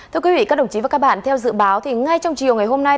thưa quý vị các đồng chí và các bạn theo dự báo thì ngay trong chiều ngày hôm nay